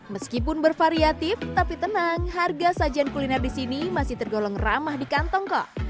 meskipun bervariatif tapi tenang harga sajian kuliner disini masih tergolong ramah di kantong kok